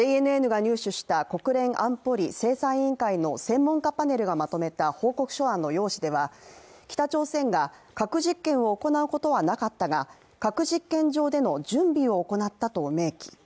ＪＮＮが入手した国連安保理・制裁委員会の専門家パネルがまとめた報告書案の要旨では北朝鮮が、核実験を行うことはなかったが核実験場での準備を行ったと明記。